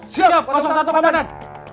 siap satu komitmen